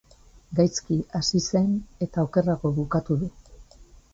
Gaizki hasi zen eta okerrago bukatu du.